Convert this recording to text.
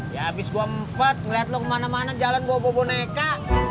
ya abis gue empat ngeliat lo kemana mana jalan bawa bawa boneka